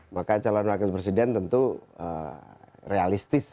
maka calon wakil presiden tentu realistis